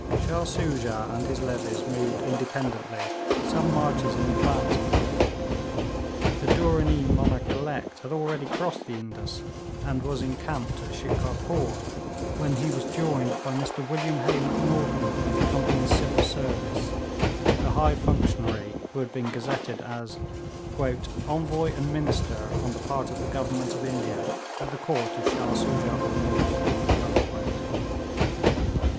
Shah Soojah and his levies moved independently some marches in advance of Cotton. The Dooranee monarch elect had already crossed the Indus, and was encamped at Shikarpore, when he was joined by Mr William Hay Macnaghten, of the Company's Civil Service, the high functionary who had been gazetted as 'Envoy and Minister on the part of the Government of India at the Court of Shah Soojah ool Moolk.'